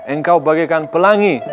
engkau bagaikan pelangi